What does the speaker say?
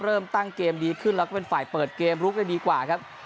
เริ่มตั้งเกมดีขึ้นแล้วก็เป็นฝ่ายเปิดเกมลุกได้ดีกว่าครับ